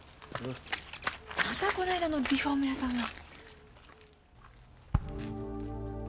またこないだのリフォーム屋さんが。